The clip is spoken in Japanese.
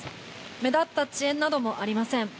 目立った遅延などもありません。